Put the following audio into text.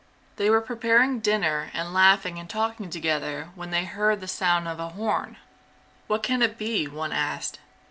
They were preparing dinner and laughing and talking together when they heard the sound of a horn. "What can it be?" one asked.